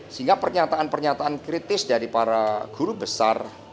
sehingga pernyataan pernyataan kritis dari para guru besar